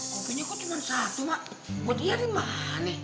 kopinya kok cuma satu mak buat iya nih mak